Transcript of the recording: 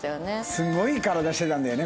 すごい体してたんだよね